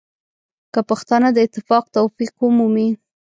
که پښتانه د اتفاق توفیق ومومي.